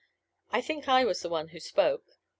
I think I was the one who spoke.